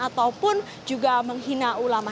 ataupun juga menghina ulama